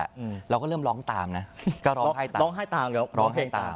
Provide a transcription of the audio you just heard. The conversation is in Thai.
อืมเราก็เริ่มร้องตามนะก็ร้องไห้ตามร้องไห้ตามแล้วร้องเพลงตาม